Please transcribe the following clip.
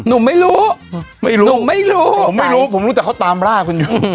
หนุ่มไม่รู้ไม่รู้หนุ่มไม่รู้ผมไม่รู้ผมรู้แต่เขาตามล่าคุณอยู่